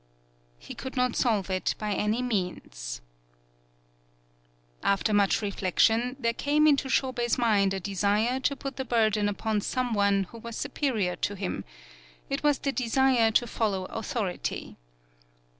He could not solve it by any means. 30 TAKASE BUNE After much reflection, there came \ into Shobei's mind a desire to put the burden upon someone who was supe rior to him; it was the desire to follow authority.